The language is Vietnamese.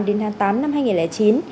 đến tháng tám năm hai nghìn chín